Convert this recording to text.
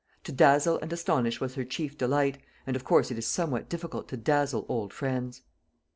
To dazzle and astonish was her chief delight, and of course it is somewhat difficult to dazzle old friends.